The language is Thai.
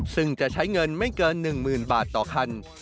ซึ่งจะใช้เงินไม่เกิน๑๐๐๐บาทต่อคัน